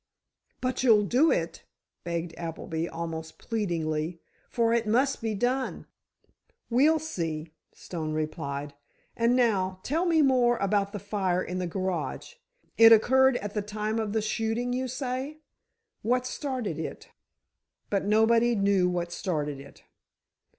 "But you'll do it," begged Appleby, almost pleadingly, "for it must be done." "We'll see," Stone replied. "And now tell me more about the fire in the garage. It occurred at the time of the shooting, you say? What started it?" But nobody knew what started it.